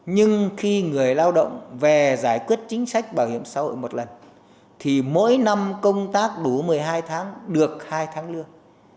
nhưng khi người lao động về giải quyết chính sách bảo hiểm xã hội một lần thì mỗi năm công tác đủ một mươi hai tháng được hai tháng lương